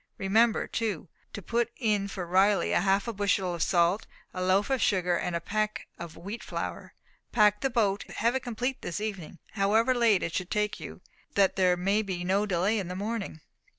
Remember, too, to put in for Riley a half bushel of salt, a loaf of sugar, and a peck of wheat flour. Pack the boat, and have it complete this evening, however late it should take you, that there may be no delay in the morning."